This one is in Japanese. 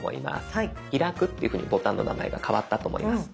開くというふうにボタンの名前が変わったと思います。